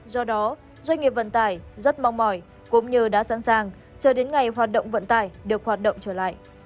do đó doanh nghiệp vận tải rất mong mỏi cũng như đã sẵn sàng chờ đến ngày hoạt động vận tải được hoạt động trở lại